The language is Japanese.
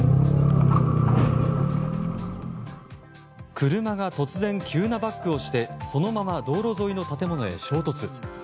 車が突然、急なバックをしてそのまま道路沿いの建物へ衝突。